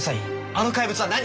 あの怪物は何？